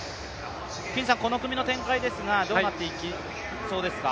この組の展開ですが、どうなっていきそうですか。